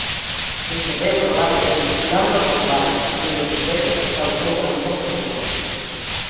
Sucedeu no barrio compostelán do Pombal, onde o suceso causou gran conmoción.